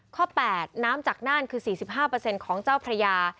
ข้อ๘น้ำจากน่านคือ๔๕ของเจ้าพระยา